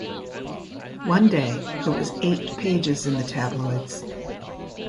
One day it was eight pages in the tabloids.